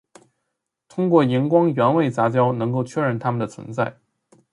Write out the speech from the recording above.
通过荧光原位杂交能够确认它们的存在。